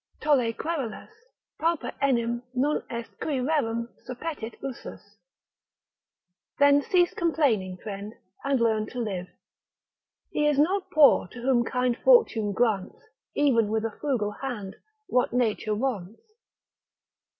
———tolle querelas, Pauper enim non est cui rerum suppetit usus, Then cease complaining, friend, and learn to live. He is not poor to whom kind fortune grants, Even with a frugal hand, what Nature wants.